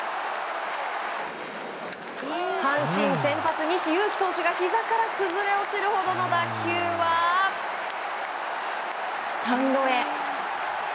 阪神先発、西勇輝投手がひざから崩れ落ちるほどの打球はスタンドへ！